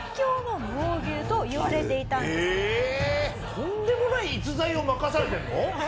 とんでもない逸材を任されてるの？